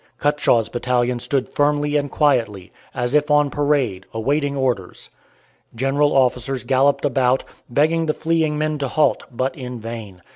Cutshaw's battalion stood firmly and quietly, as if on parade, awaiting orders. General officers galloped about, begging the fleeing men to halt, but in vain.